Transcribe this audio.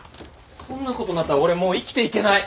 そんなことになったら俺もう生きていけない。